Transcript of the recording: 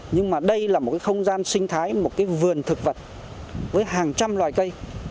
nhưng mà đây là một cái không gian sinh thái một cái vườn thực vật với hàng trăm loài cây